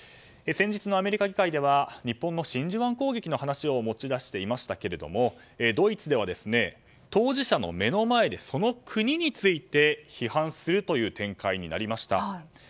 先日のアメリカ議会では日本の真珠湾攻撃の話を持ち出していましたがドイツでは当事者の目の前でその国について批判するという展開になりました。